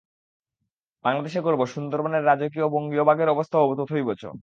বাংলাদেশের গর্ব সুন্দরবনের রাজকীয় বঙ্গীয় বাঘের অবস্থাও তথৈবচ।